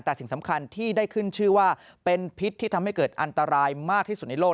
แต่สิ่งสำคัญที่ได้ขึ้นชื่อว่าเป็นพิษที่ทำให้เกิดอันตรายมากที่สุดในโลก